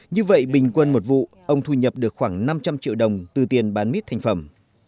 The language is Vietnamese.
như vậy bình quân một vụ ông thu nhập được khoảng năm trăm linh triệu đồng từ tiền bán mít thành phẩm